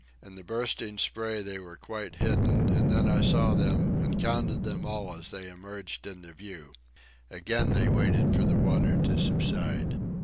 In the bursting spray they were quite hidden; and then I saw them and counted them all as they emerged into view. Again they waited for the water to subside.